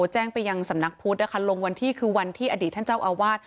แจ้งไปยังสำนักพุทธนะคะลงวันที่คือวันที่อดีตท่านเจ้าอาวาส